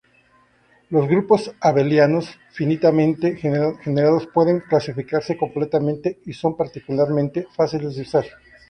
Los grupos abelianos finitamente generados pueden clasificarse completamente y son particularmente fáciles de usar.